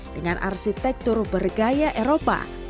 dengan arsitektur bergaya eropa